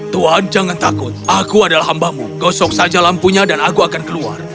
tuhan jangan takut aku adalah hambamu gosok saja lampunya dan aku akan keluar